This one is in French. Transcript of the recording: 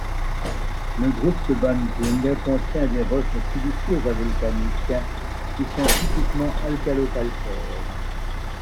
Le groupe de Banting contient des roches siliceuses à volcaniques qui sont typiquement alcalo-calcaires.